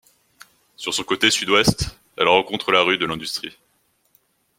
Sur son côté sud-ouest, elle rencontre la rue de l'Industrie.